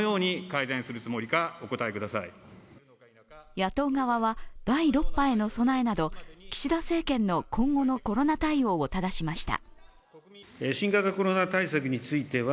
野党側は、第６波への備えなど岸田政権の今後のコロナ対応をただしました。